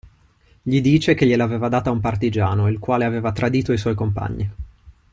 Gli dice che gliel'aveva data un partigiano il quale aveva tradito i suoi compagni.